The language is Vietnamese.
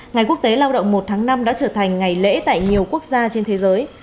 ngày quốc tế lao động một tháng năm đã trở thành ngày lễ tại nhiều quốc gia trên thế giới